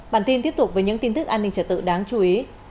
bản tin tiếp tục với những tin tức an ninh trở tự đáng chú ý